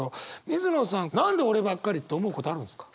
水野さん何で俺ばっかりって思うことあるんですか？